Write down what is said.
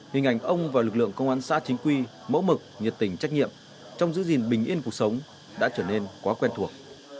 hình ảnh ông và lực lượng công an xã chính quy mẫu mực nhiệt tình trách nhiệm trong giữ gìn bình yên cuộc sống đã trở nên quá quen thuộc